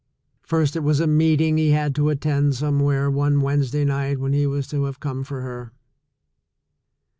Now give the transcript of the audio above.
First, it was a meeting he had to attend somewhere one Wednesday night when he was to have come for her.